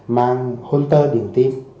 mang hôn tơ điện tim